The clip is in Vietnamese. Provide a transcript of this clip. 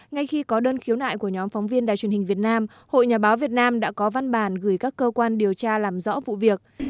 ngay khi có đơn khiếu nại của nhóm phóng viên đài truyền hình việt nam hội nhà báo việt nam đã có văn bản gửi các cơ quan điều tra làm rõ vụ việc